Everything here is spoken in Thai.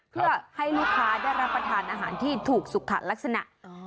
เพื่อให้ลูกค้าได้รับประทานอาหารที่ถูกสุขลักษณะ